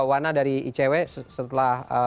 wana dari icw setelah